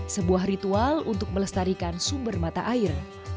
sebuah ritual untuk melestarikan sumber mata air